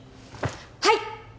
はい！